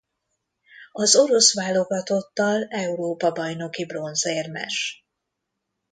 Az orosz válogatottal európa-bajnoki bronzérmes.